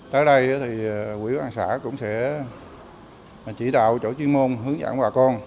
tới đây quỹ quan xã cũng sẽ chỉ đạo chủ chuyên môn hướng dẫn bà con